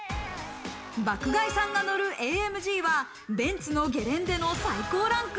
爆買いさんが乗るＡＭＧはベンツのゲレンデの最高ランク。